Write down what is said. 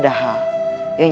yang lebih penting